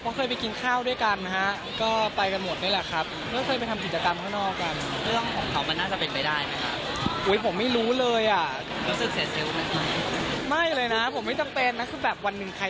ก็แสดงว่ายินดีไปกับความรักทั้งหมายของด้วย